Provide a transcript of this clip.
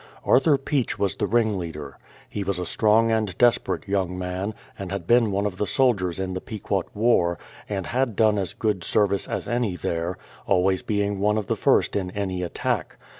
Arthur Peach was the ringleader. He was a strong and desperate young man, and had been one of the soldiers in the Pequot war, and had done as good service as any there, always being one of the first in any attack.